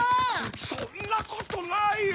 そんなことないよ！